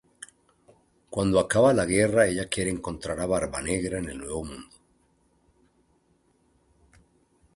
Cuando acaba la guerra, ella quiere encontrar a Barba Negra en el Nuevo Mundo.